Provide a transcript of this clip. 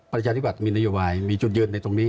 ประชาธิภาพมีโยบายมีจุดยืนที่ตรงนี้